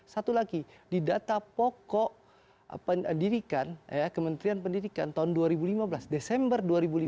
satu lagi di data pokok pendidikan kementerian pendidikan tahun dua ribu lima belas desember dua ribu lima belas